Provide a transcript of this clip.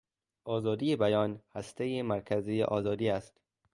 آزادی بیان هستهی مرکزی آزادی است.